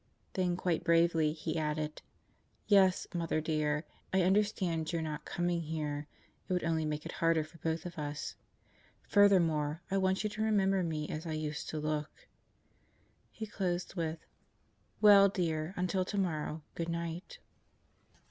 ... Then quite bravely he added: "Yes, Mother dear, I understand your not coming here. It would only make it harder for both of us. Furthermore, I want you to remember me as I used to look." He closed with: "Well, Dear, until tomorrow, good night."